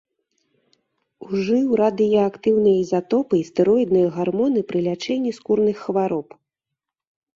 Ужыў радыеактыўныя ізатопы і стэроідныя гармоны пры лячэнні скурных хвароб.